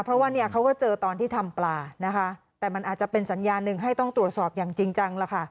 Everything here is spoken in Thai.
เพราะว่าเนี่ยเขาก็เจอตอนที่ทำปลานะคะแต่มันอาจจะเป็นสัญญาหนึ่งให้ต้องตรวจสอบอย่างจริงจังล่ะค่ะ